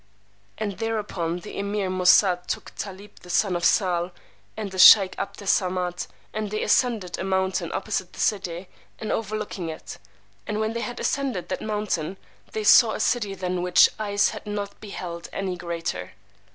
And thereupon the Emeer Moosà took Tálib the son of Sahl, and the sheykh 'Abd Es Samad, and they ascended a mountain opposite the city, and overlooking it; and when they had ascended that mountain, they saw a city than which eyes had not beheld any greater.